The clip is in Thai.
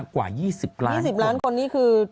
กว่า๒๐ล้าน๒๐ล้านคนนี่คือ